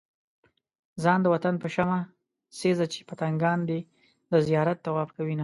ځان د وطن په شمع سيزه چې پتنګان دې د زيارت طواف کوينه